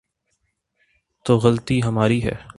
تو غلطی ہماری ہے۔